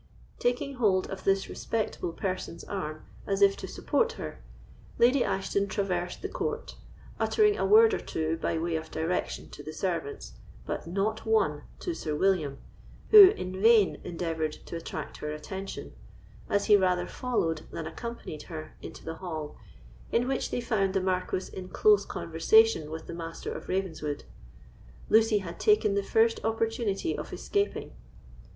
Taking hold of this respectable person's arm as if to support her, Lady Ashton traversed the court, uttering a word or two by way of direction to the servants, but not one to Sir William, who in vain endeavoured to attract her attention, as he rather followed than accompanied her into the hall, in which they found the Marquis in close conversation with the Master of Ravenswood. Lucy had taken the first opportunity of escaping.